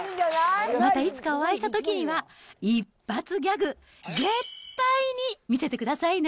またいつかお会いしたときには、一発ギャグ、絶対に見せてくださいね。